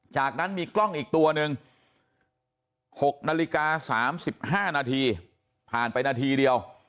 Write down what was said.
จากนั้นมีกล้องอีกตัวหนึ่ง๖นาฬิกา๓๕นาทีผ่านไปนาทีเดียว